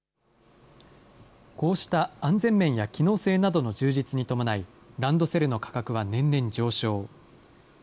こうした安全面や機能性などの充実に伴い、ランドセルの価格は年々上昇。